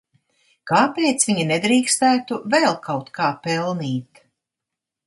Kāpēc viņi nedrīkstētu vēl kaut kā pelnīt?